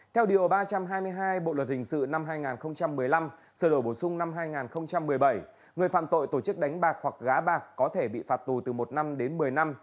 theo điều ba trăm hai mươi hai bộ luật hình sự năm hai nghìn một mươi năm sở đổi bổ sung năm hai nghìn một mươi bảy người phạm tội tổ chức đánh bạc hoặc gá bạc có thể bị phạt tù từ một năm đến một mươi năm